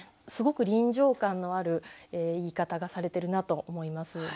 すごく臨場感のある言い方がされてるなと思います。